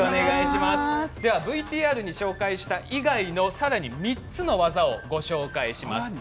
ＶＴＲでご紹介したもの以外にさらに３つの技をご紹介します。